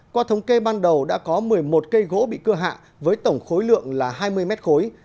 qua thống kê ban đầu đã có một mươi một cây gỗ bị cưa hạ với tổng khối lượng là hai mươi mét khối